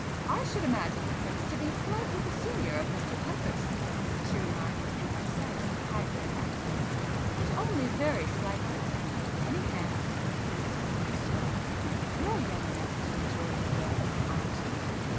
"I should imagine the prince to be slightly the senior of Mr Tempest"—she remarked in precise high bred accents—"But only very slightly." [p 130]"Anyhow," resumed Miss Chesney "you're young enough, to enjoy your wealth aren't you?"